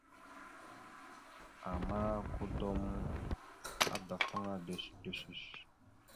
Ama, kudom adafaŋa ɗœshəɗœshœsh.